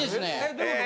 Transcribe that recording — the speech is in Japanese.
どういうこと？